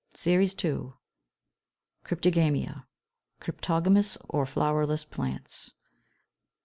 SERIES II. CRYPTOGAMIA: CRYPTOGAMOUS OR FLOWERLESS PLANTS.